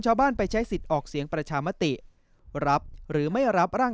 ชาวบ้านไปใช้สิทธิ์ออกเสียงประชามติรับหรือไม่รับร่าง